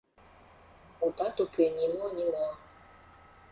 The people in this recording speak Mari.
Мутат уке, нимо-нимо.